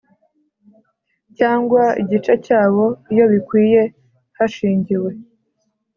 Cyangwa igice cyawo iyo bikwiye hashingiwe